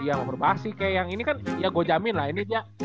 iya mau perbasis kayak yang ini kan ya gue jamin lah ini aja